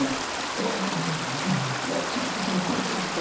映画見たらねちゃんとそのコントラストがね。